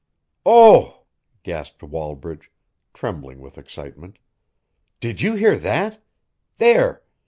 "Oh!" gasped Wallbridge, trembling with excitement. "Did you hear that? There!